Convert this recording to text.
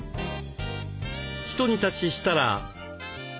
ひと煮立ちしたら。